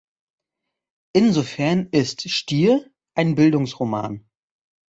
Insofern ist "Stier" ein Bildungsroman.